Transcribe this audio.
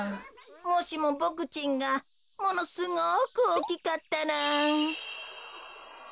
もしもボクちんがものすごくおおきかったら。